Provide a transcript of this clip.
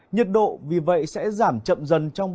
nhiệt độ vì vậy sẽ giảm chậm dần trong ba mươi